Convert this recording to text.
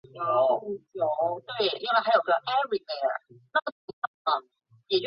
厦门大学刘海峰则认为博饼从北方流行过的状元筹演化而来。